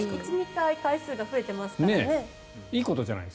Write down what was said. １２回回数が増えてますからね。